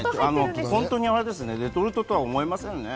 レトルトとは思えませんね。